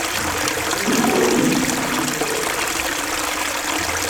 ibyo bakora byose babanza kubitekerezaho bitonze